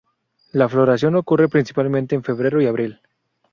La floración ocurre principalmente en febrero y abril.